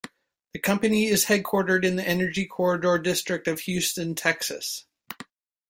The company is headquartered in the Energy Corridor district of Houston, Texas.